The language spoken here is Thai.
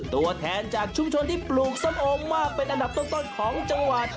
ตัวแทนจากชุมชนที่ปลูกส้มโอมากเป็นอันดับต้นของจังหวัด